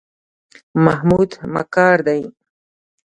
محمود مکار دی.